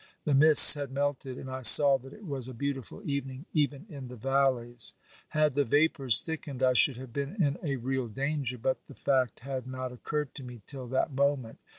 The mists had melted, and I saw that it was a beautiful evening, even in the valleys. Had the vapours thickened, I should have been in a real danger, but the fact had not occurred to me till that moment.